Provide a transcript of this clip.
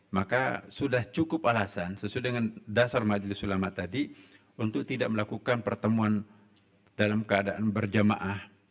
maka sudah cukup alasan sesuai dengan dasar majelis ulama tadi untuk tidak melakukan pertemuan dalam keadaan berjamaah